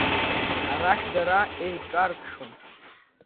Арахь дара еиҿаркшон…